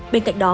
bên cạnh đó